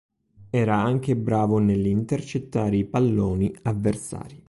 Era anche bravo nell'intercettare i palloni avversari.